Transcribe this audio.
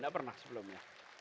tidak pernah sebelumnya